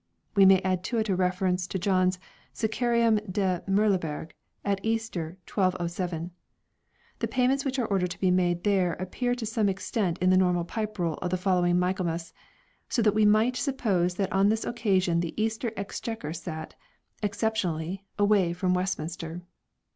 We may add to it a reference to John's "Scaccarium de Merleberg' " 2 at Easter, 1 207. The payments which are ordered to be made there appear to some extent in the normal Pipe Roll of the following Michaelmas, so that we might suppose that on this occasion the Easter Exchequer sat, exceptionally, away from Westminster.